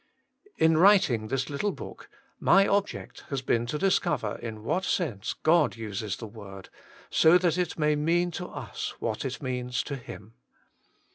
In writing this little book, my object has been to discover in what sense God uses the word, that so it may mean to us what it means to Him.